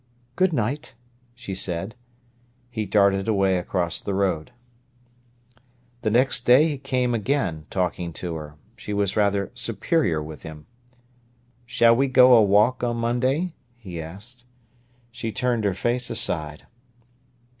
"Good night," she said. He darted away across the road. The next day he came again, talking to her. She was rather superior with him. "Shall we go a walk on Monday?" he asked. She turned her face aside.